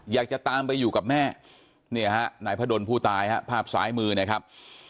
อยากจะตามไปอยู่กับแม่เนี่ยฮะนายพระดนผู้ตายฮะภาพซ้ายมือนะครับ